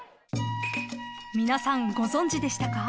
［皆さんご存じでしたか？］